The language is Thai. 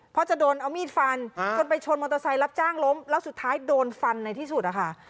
เพราะจะโดนเอามีดฟันจนไปชนมอเตอร์ไซค์รับจ้างล้มแล้วสุดท้ายโดนฟันในที่สุดนะคะ